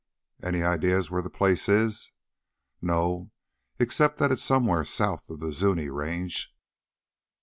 "Any idea where the place is?" "No. Except that it's somewhere south of the Zuni range."